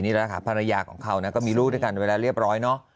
นี่แหละค่ะภรรยาของเขานะก็มีลูกด้วยกันเวลาเรียบร้อยเนอะ